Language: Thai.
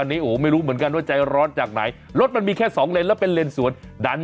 อะเตือนกันตรงนี้ละกัน